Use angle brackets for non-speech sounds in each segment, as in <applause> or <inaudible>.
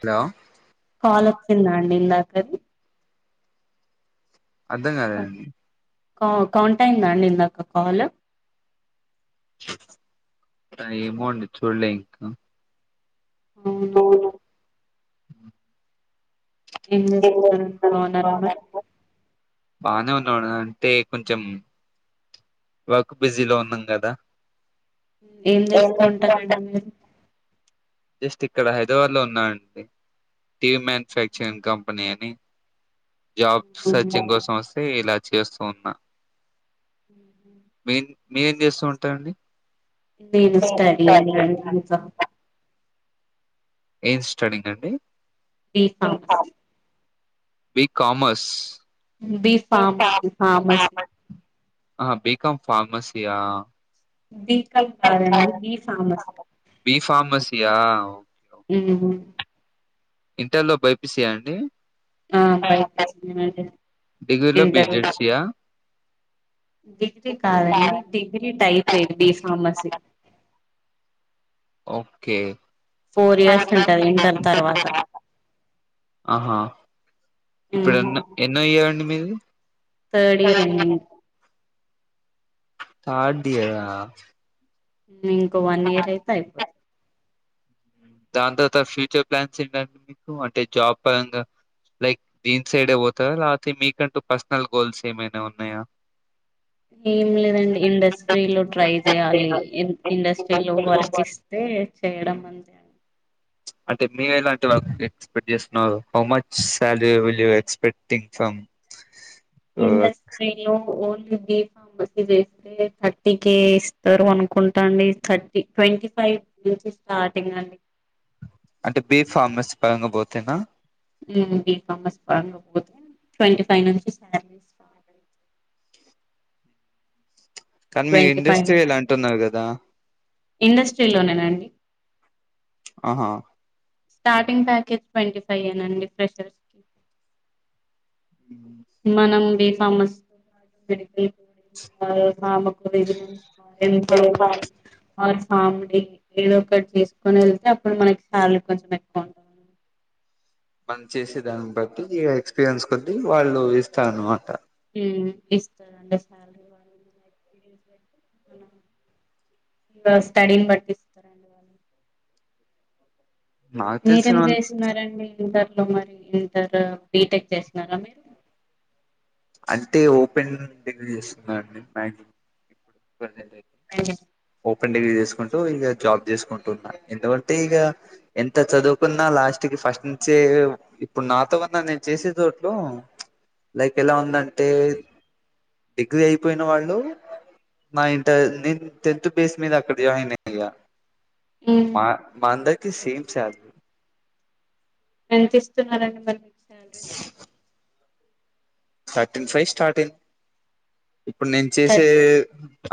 Hello call వచ్చిందా అండి ఇందాకది అర్థం కాలేదండి ఓ కౌంటఅయిందా అండి ఇందాక కాల్ ఏమో అండి చుడలే ఇంకా అవునా అవును ఏం చేస్తున్నారుని బాగున్నారా మరి బానే ఉన్నాడు అంటే కొంచెం వర్క్ బిజీలో ఉన్నాం కదా ఏం చేస్తూ ఉంటారండి మీరు జస్ట్ ఇక్కడ హైదరాబాద్ లో ఉన్నా అండి టీవ మ్యానుఫ్యాక్చరింగ్ కంపెనీ డి జాబ్ సర్చింగ్ కోసం వస్తే ఇలా చేస్తున్నా హ మీరేం చేస్తూ ఉంటారండి నేను స్టడీ యే నండి ఇంకా ఏం స్టడీంగ్ అండి B BCom pharmacy B commerce B pharmacy pharmacy ఆ బికాం ఫార్మసీయా బీ కాం బీకామ్ కదండి కాదండి బి ఫార్మసీ బి ఫార్మసీయా ఊ ఇంటర్ ల్లో బైపిసి ఆ అండి ఆ బైపీసి ఏ అండి డిగ్రీలో ఇంటర్ బిజెడ్సియా డిగ్రీ కాదండి డిగ్రీ టైప్ ఏడి ఫార్మసీ ఓకే ఫోర్ ఇయర్స్ ఉంటది ఇంటర్ తర్వాత ఇప్పుడున్న ఎన్నో ఇయర్ అండి మిది తథర్డ్ ఇయర్ ఎడింగ్ థర్డ్ ఇయరా ఉ ఇంకో వన్ ఇయర్ అయితే అయిపోతుంది దాని తర్వాత ఫ్యూచర్ ప్లాన్స్ ఏంటంటే మీకు అంటే జాబ్ పరంగా లైక్ దీన్ సైడే పోతారా లేకపోతే మీకంటూ పర్సనల్ గోల్స్ ఏమైనా ఉన్నాయా ఏం లేదండి ఇండస్ట్రీలో ట్రై చేయాలి ఇండస్ట్రీలో వర్క్ ఇస్తే చేయడం అంతే అండి అంటే మీ ఇలాంటి వాళ ఎక్స్పెక్ట్ చేస్తున్నారు how much salary will expecting from your work? ఇండ్రాస్ట్రీలో ఓన్ బి ఫార్మసీ చేస్తే థర్టీ కే ఇస్తారు అనుకుంటా అండి థర్టీ ట్వంటీ ఫైవ్ నుంచి స్టార్టింగ్ అండి అంటే బీ ఫార్మస్ పరంగా పోతేనా బి ఫార్మసీ పరంగా పోతే ట్వంటీ ఫైవ్ నుంచి శాలరీ స్టాట్ కానీ మీ ట్వంటీ ఫైవ్ ఇండస్ట్రీ ఇలా నుంచి అంటున్నారు కదా ఇండస్ట్రీలోనే నండి ఆహా స్టార్టింగ్ ప్యాకేజ్ ట్వంటీ ఫైవ్ ఏనాండి ఫ్రెషర్స్ కి మనం B pharmacy <unintelligible> B pharmacy <unintelligible> form D ఏదో ఒకటి చేసుకోని వెళ్తే అప్పుడు మనకి శాలరీ కొంచెం ఎక్కువ ఉంటుంది. మనం చేసేదాన్ని బట్టి ఇగ ఎక్స్పీరియన్స్ కొద్ద్దీ వాళ్ళు ఇస్తారు అన్నమాట ఇస్తురండి సాలరీ వాళ్ళు ఇకా స్టడీని బట్టి ఇస్తరండి వాళ్ళు నాకు మీరేమ్ తెలిసిన చేసినారండి ఇంటర్ లో మరి ఇంటర్ బీటెక్ చేసినారా మీరు అంటే ఓపెన్ డిగ్రీ చేస్తున్నాండి మ్యాగ ఓపెన్ డిగ్రీ చేసుకుంట ఇక జాబ్ చేసుకుంటున్న ఎందుకంటే ఇక ఎంత చదువుకున్నా లాస్ట్ కి ఫస్ట్ నుంచే ఇప్పుడు నాతో ఉన్నా నేను చేసే దాట్లో లైక్ ఎలా ఉందంటే డిగ్రీ అయిపోయిన వాళ్ళు నా ఇంటర్ నేను టెన్త్ బేస్ మీద అక్కడ జాయిన్ అయ్యా ఉమ్ మా మా అందరికి సేమ్ సాలరీ ఎంత ఇస్తున్నారండి మరి సాలరీ తీర్టీన్ ఫైవ్ స్టార్టింగ్ ఇప్పుడు నేను థర్ చేసే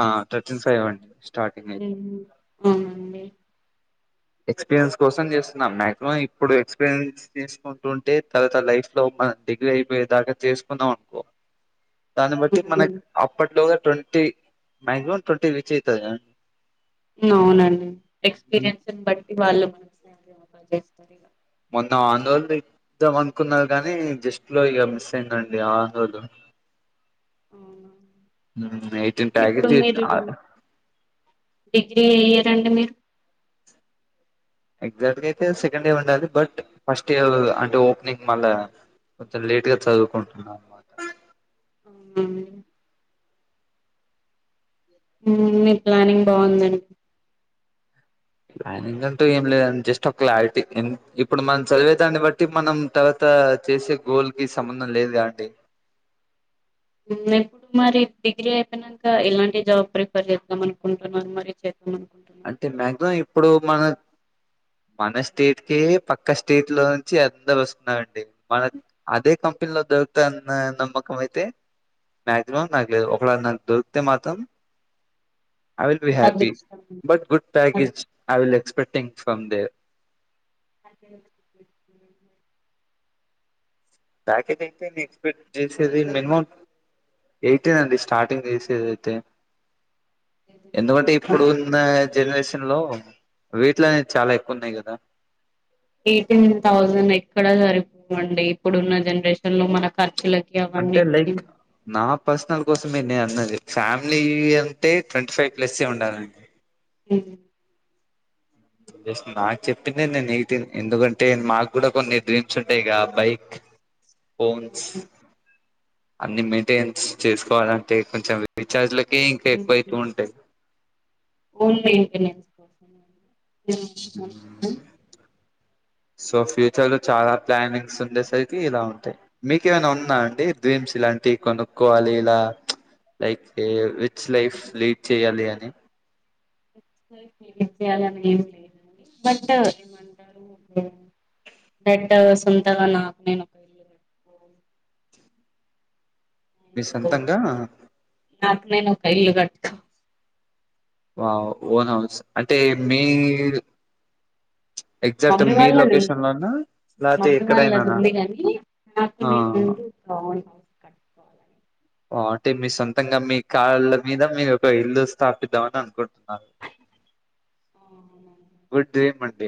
ఆ థర్టీన్ ఫైవ్ అండి స్టార్టింగ్ అయితే ఆ అవునండి ఎక్స్పీరియన్స్ కోసం చేస్తున్నాం మాక్సిమం ఇప్పుడు ఎక్స్పీరియన్స్ చేసుకుంటుంటే తర్వాత లైఫ్ లో మనం డిగ్రీ అయిపోయే దాకా చేసుకుందాం అనుకో దాన్ని బట్టి అవునండి మనకు అప్పట్లోగా ట్వంటీ మ్యాక్సిమమ్ ట్వంటీ రీచ్ అయితది కదండి అవునండి ఎక్స్పీరియన్స్ని బట్టి వాళ్ళు మనకి సాలరీ ఆఫర్ చేస్తారు ఇగ మొన్న <unintelligible> ఇద్దాం అనుకున్నారు కానీ జస్ట్ లో ఇక మిస్ అయిందండి ఆ <unintelligible> ఎయిటీన్ ఇప్పుడు ప్యాకేజ్ మీరు డిగ్రీ ఏ ఇయర్ అండి మీరు ఎగ్జాక్ట్గా అయితే సెకండ్ ఇయర్ ఉండాలి బట్ ఫస్ట్ ఇయర్ అంటే ఓపెనింగ్ మళ్ళా కొంచెం లేట్గా చదువుకుంటున్నాన్నమాట అవునాండి మీ ప్లానింగ్ బాగుందండి ప్లానింగ్ అంటూ ఏం లేదండి జస్ట్ ఒక క్లారిటీ ఇప్పుడు మనం చదివే దాన్ని బట్టి మనం తర్వాత చేసే గోల్ కి సంబంధం లేదుగా అండి ఇప్పుడు మరి డిగ్రీ అయిపోయినాక ఇలాంటి జాబ్ ప్రిఫర్ చేద్దాం అనుకుంటున్నారు మరి అనుకుంటున్నారు అంటే మ్యాక్సిమం ఇప్పుడు మన మన స్టేట్ కే పక్క స్టేట్ లో నుంచి అందరు వస్తున్నారండి మన అదే కంపెనీలో దొరుకుతదన్న నమ్మకం అయితే మాక్సిమం నాకు లేదు ఒక నాకు దొరికితే మాత్రం ఐ విల్ బి హ్యాపీ అదృష్టం బట్ గుడ్ అది. ప్యాకేజ్ టింగ్ ఫ్రమ్ దేర్ అదే ప్యాకేజ్ అయితే నేను ఎక్స్పెక్ట్ చేసేది మినిమం ఎయిటీన్ అండి స్టార్టింగ్ చేసేది అయితే ఎందుకంటే ఇప్పుడు ఉన్న జనరేషన్ హెలో వీట్ల అయితే చాల ఎక్కువ ఉన్నాయి కదా ఎయిటీన్ థౌసెండ్ ఎక్కడ సరిపోవండి ఇప్పుడున్న జనరేషన్ లో మన ఖర్చులు అంటే లైక్ నా పర్సనల్ కోసం మె నే అన్నది ఫ్యామ్లీ అంటే ట్వంటీ ఫైవ్ ప్లస్సె ఉండాలండి ఉహ్ జస్ నాకు చెప్పింది నేను న ఎందుకంటే మాక్కూడ కొన్ని డ్రీమ్స్ ఉంటాయిగా బైక్ ఫోన్స్ అన్ని మెయింటెనెన్స్ చేసుకోవాలంటె కొంచెం రచార్జ్ల కే ఇంక ఉ ఇటు ఉ వైపు ఉంట ఓన్ మైన్ టెనెన్స్ హ్ సో ఫ్యూచర్ లో చాలా ప్లానింగ్స్ ఉండేసరికి ఇలా ఉంటాయి మీకు ఏమైనా ఉన్నా అండి డ్రీమ్స్ ఇలాంటివి కొనుక్కోవాలి ఇలా లైక్ రిచ్ లైఫ్ లీడ్ చేయాలి అని చులానె ఉంటాయి బట్ ఏమంటారు బట్ సొంతగా నాకు నేనుట్ మి సొంతంగా నాకు నేను ఒక ఇల్లు కడ్ వావ్ ఓన్ హౌస్ అంటే మీ ఎగ్జాక్ట్ మమ్మీ మీ వాళ్ళది లొకేషన్ లోనా లేకపోతే మమ్మీ వాళ్ళది ఎక్కడైనానా ఉంది కనీ నాకు ఆ మి <unintelligible> కోవాలని అ అంటే మీ సొంతంగ మీ కాళ్ళ మీద మీ ఒక ఇల్లు స్థాపిద్దాం అని అనుకుంటుంది న గుడ్ డే గుడ్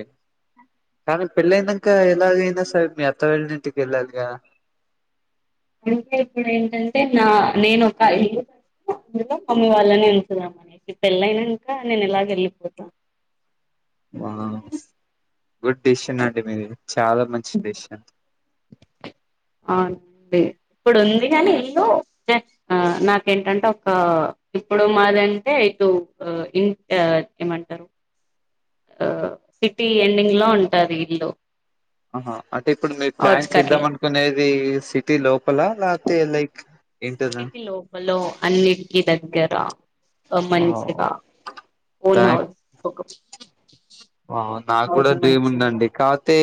కానీ పెళ్ళ అయినక ఎలాగైనా సరే మీ అత్త వాళ్ళింటికి వెళ్ళాలి గా ఇంకాే ఇప్పుడంటే నా నేను ఒక ఇల్ అందు మమ్మీ వాళ్ళని ఉంచుదాం అని పెళ్ళైనాక నేను ఇలాగ వెళ్ళిపోతాను ఆ గుడ్ డెసిషన్ అండి మీది చాల మంచి డెసిషన్ అవుం డి ఇప్పుడు ఉంది కాని ఇల్లు నాకేంటంటే ఒక ఇప్పుడు మాది అంటే ఇటు ఇ ఏమంటారు ఆ సిటీ ఎండింగ్ లో ఉంటాది ఇల్లు అహ అంటే ఇప్పుడు మీర్ ప్లాన్ ఔట్స్కట్లో చేద్దాం అనుకునేదీ సిటీ లొ పక్కల లాతే లైక్ ఎనక కి దగ్గర పోన్ మనిషిగా ఓన్ హౌస్ ఆ ఓన్ నాకూడ హౌస్ డీమ్ మంచిగా ఉందండి కాతే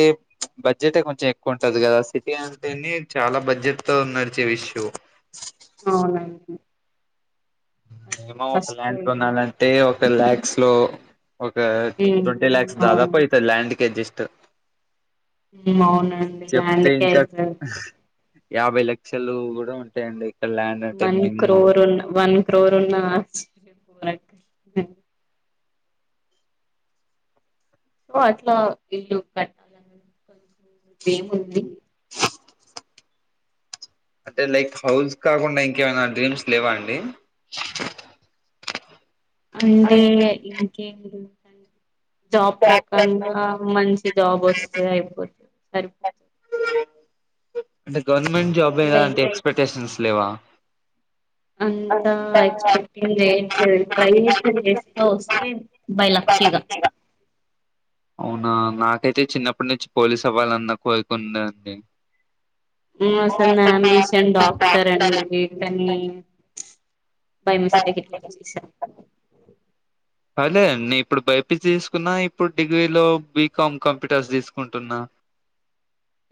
బడ్జెట్ కొంచెం ఎక్కువ ఉంటది కదా సిటీ అంటే చాల బడ్జెట్ తో నడిచే ఇష్యూ అవునండి అదే ఏమో ఒక ఫస్ట్ ల్యాండ్ ఇల్లు. కొనాలంటే ఒక్ టెన్ ల్యాక్స్ లో ఒక హ్మ్. ట్వంటి ల్యాక్స్ అవును దాదాపు అయితే ల్యాండ్ కి అడ్జెస్ట్ ట అవునండి ల్యాండ్కే కే ఇంకా ఐతది యాభై లక్షలు కూడా ఉంటాయండి ఇక్కడ ల్యాండ్ అంటే వన్ మినిమం. క్రోర్ ఉన్న వన్ వన్ క్రోర్ ఉన్న ఆశ సో అట్లా ఇల్లు కట్టాల ఇ ఏము ఉంది అంటే లైక్ హౌస్ కాకుండా ఇంకేమనా డ్రీమ్స్ లేవా అండి అంటే ఇంకేంటిది అం జాబ్ బ్యాక్ ప్యాక్ ప్రకంగా మంచి జాబ్ వస్తే అయిపోతు సరి అంటే గవర్నమెంట్ జాబ్ ఎలా అంటే ఎక్స్పెక్టేషన్స్ లేవా అంతా ఎక్స్పెక్టేషన్స్ లేవు ట్రై వస్తే బై లక్కీగా అవునా నాకైతే చిన్నప్పటి నుంచి పోలీస్ అవ్వాలన్నా కోరుకుందండి అసలు నా యాంబిషన్ డాక్టర్ అండి కానీ బై మిస్టేక్ ఇట్లా వచ్చేసా అదే అండి ఇప్పుడు బైపీసీ తీసుకున్నా ఇప్పుడు డిగ్రీలో బీకామ్ కంప్యూటర్స్ తీసుకుంటున్నా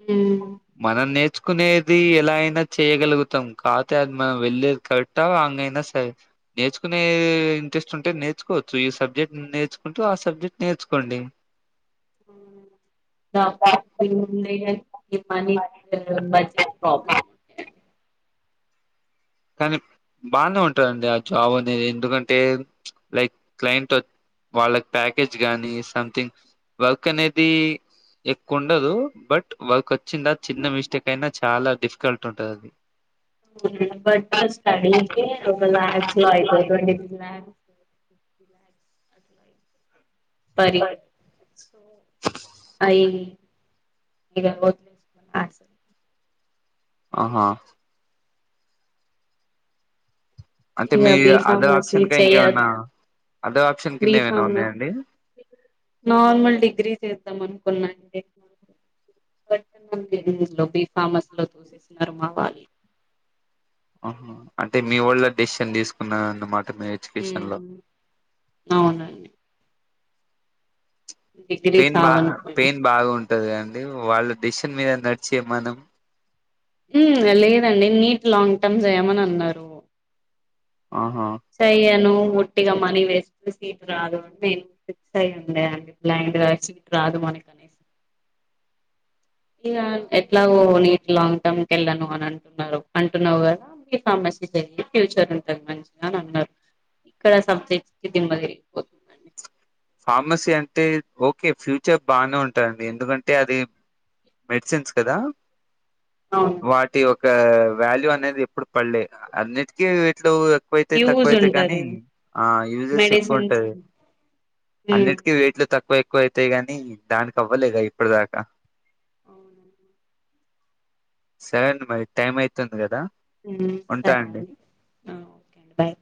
హ్మ్ మనం నేర్చుకునేది ఎలా అయినా చేయగలుగుతాం కాపోతే అది మనం వెళ్లేేది కరెక్టా అంగైనా సరే నేర్చుకునేది ఇంట్రెస్ట్ ఉంటే నేర్చుకో నేర్చుకోచ్చు ఈ సబ్జెక్ట్ నేర్చుకుంటూ ఆ సబ్జెక్ట్ నేర్చుకోండి <inaudible> మనీ బడ్జెట్ ప్రాబ్లం కానీ బానే ఉంటారండి ఆ జాబ్ అనేది ఎందుకంటే లైక్ క్లయింట్ వాళ్ళకి ప్యాకేజ్ గానీ సంథింగ్ వర్క్ అనేది ఎక్కువ ఉండదు బట్ వర్క్ వ చిన్న చిన్న మిస్టేక్ అయిన చాలా డిఫికల్ట్ ఉంటదది బట్ ఒక స్టడీకి లాక్స్ లో అయితది ట్వంటీ లాక్స్ పరి అయి <unintelligible> ఆహా అంటే ఇక మీ బి అదర్ ఫార్మసీ ఆప్షన్ గా చెయదు ఇంకేమైనా అదర్ ఆప్షన్ కింద బి ఏమైనా ఫార్మ ఉన్నాయండి నార్మల్ డిగ్రీ <unintelligible> చూసిస్తున్నారు మా వాళ్ళు హ అంటే మీ వాళ్ళ డెసిషన్ తీసుకున్న అన్నమాట మీ ఎడ్యుకేషన్ లో ఉమ్ అవునండి డిగ్రీ పెయిన్ బా చాలనుకున్నా పెయిన్ బాగుంటది అండి <unintelligible> వాళ్ళ దేశం మీద నడిచే మనం ఉ లేదండి నీట్ లాంగ్ టర్మ్ జేయమని అన్నారు ఆహా సెయ్యను వొట్టిగా మనీ వేస్టు సీటు రాదు అంటే ఈమే ఫిక్స్ అయంది అండి బ్లైండ్ గా సీట్ రాదు మనకు అనేసి ఇగ ఎట్లాగో నీట్ లాంగ్ టర్మ్ కెళ్ళను అని అంటున్నాడు అంటున్నావు గదా మీ ఫార్మసీ జెయ్యి ఫ్యూచర్ అంత మంచిగా అని అన్నారు ఇక్కడ సబ్జెక్ట్ కి దిమ్మ తిరిగిపోతుందండి ఫార్మసీ అంటే ఓకే ఫ్యూచర్ బానే ఉంటాదండి ఎందుకంటే అది మెడిసిన్స్ కదా అవునండి వాటి ఒక వ్యా వాల్యూ అనేది ఎప్పుడు పల్లే అన్నిటికీ వెయిట్లు తక్కువైతే యూజ్ తక్కువైతే కాని ఉంటది ఆ యూజెస్ ఎక్కువ మెడిసిన్స్ ఉంటాయ్ ఉమ్ అన్నిటికీ వెయిట్లు తక్కువ ఎక్కువ అవుతాయి గాని దానికి అవ్వలేగా ఇప్పటి దాకా అవునా సరే అండి మరి టైం అయితుంది గదా ఊ సరే అండి ఓకే అండి బాయ్